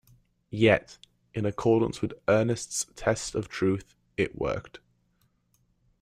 Yet, in accordance with Ernest's test of truth, it worked.